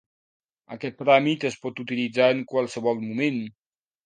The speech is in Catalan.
Aquest tràmit es pot utilitzar en qualsevol moment.